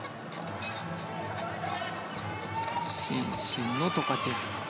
伸身のトカチェフ。